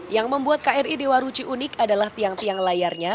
yang membuat kri dewa ruci unik adalah tiang tiang layarnya